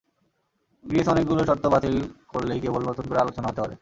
Greece অনেকগুলো শর্ত বাতিল করলেই কেবল নতুন করে আলোচনা হতে পারে।